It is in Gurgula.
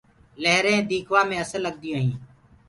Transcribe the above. لهرينٚ ديکوآ مي اسل لگديونٚ هينٚ۔